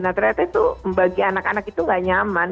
nah ternyata itu bagi anak anak itu gak nyaman